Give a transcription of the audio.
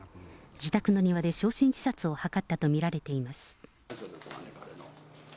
自宅の庭で焼身自殺を図ったと見られています。